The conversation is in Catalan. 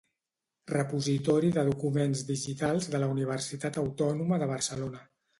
Repositori de Documents Digitals de la Universitat Autònoma de Barcelona.